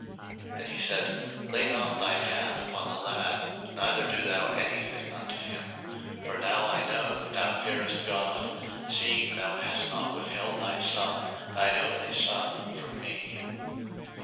01:022:012 And he said, Lay not thine hand upon the lad, neither do thou any thing unto him: for now I know that thou fearest God, seeing thou hast not withheld thy son, thine only son from me.